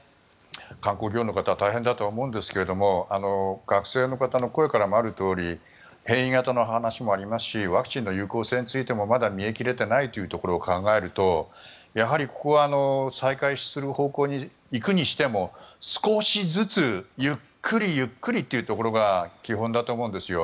観光業の方は大変だと思うんですが学生の方の声からもあるとおり変異型の話もありますしワクチンの有効性についてもまだ見え切れていないというところも考えると、やはりここは再開する方向に行くにしても少しずつゆっくりゆっくりというところが基本だと思うんですよ。